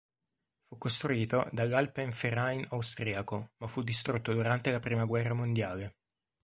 Fu costruito dall'Alpenverein austriaco, ma fu distrutto durante la prima guerra mondiale.